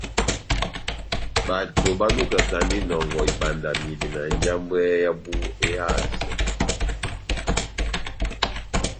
Bato balukakandini inɔngɔ ibandamidɛ na njambwɛ yábu ehasɛ.